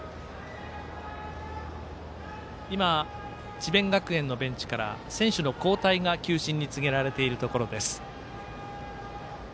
智弁学園のベンチから選手の交代が球審に告げられているところです。